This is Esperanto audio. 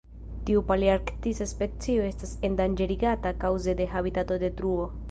Tiu palearktisa specio estas endanĝerigata kaŭze de habitatodetruo.